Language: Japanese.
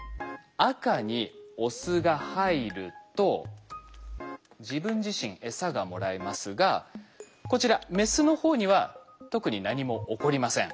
赤にオスが入ると自分自身エサがもらえますがこちらメスの方には特に何も起こりません。